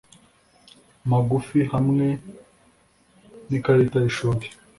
magufi hamwe nikarita yishuri